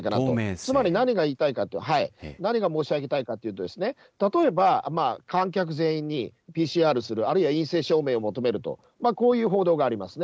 つまり何が言いたいか、何が申しあげたいかというとですね、例えば観客全員にＰＣＲする、あるいは陰性証明を求めると、こういう報道がありますね。